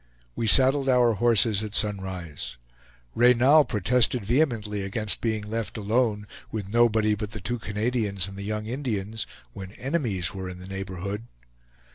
We saddled our horses at sunrise. Reynal protested vehemently against being left alone, with nobody but the two Canadians and the young Indians, when enemies were in the neighborhood.